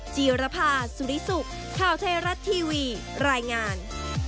จีรภาสุริสุขข่าวไทยรัฐทีวีรายงาน